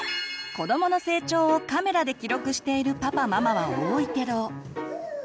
子どもの成長をカメラで記録しているパパママは多いけど。